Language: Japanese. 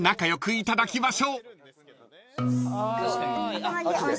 いただきます。